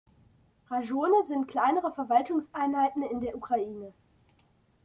Rajone sind kleinere Verwaltungseinheiten in der Ukraine.